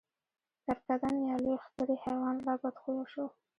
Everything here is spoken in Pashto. کرکدن یا لوی ښکری حیوان لا بدخویه شو.